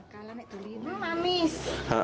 kalanya itu manis